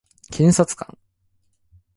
検察官